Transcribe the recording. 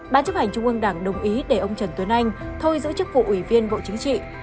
ban chấp hành trung ương đảng đồng ý để ông trần tuấn anh thôi giữ chức vụ ủy viên bộ chính trị